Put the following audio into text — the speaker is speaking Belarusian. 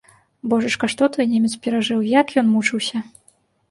Божачка, што той немец перажыў, як ён мучыўся!